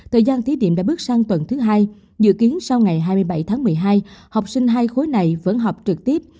thời gian thí điểm đã bước sang tuần thứ hai dự kiến sau ngày hai mươi bảy tháng một mươi hai học sinh hai khối này vẫn học trực tiếp